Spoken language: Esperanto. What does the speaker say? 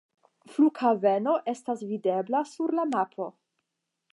Flughaveno estas videbla sur la mapo.